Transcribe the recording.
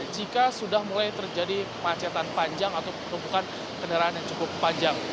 jika sudah mulai terjadi kemacetan panjang atau penumpukan kendaraan yang cukup panjang